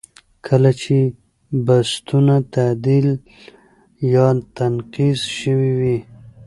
کله چې بستونه تعدیل یا تنقیض شوي وي.